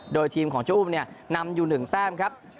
โดยทีมของเจ้าอุ้มเนี่ยนำอยู่๑แต้มครับ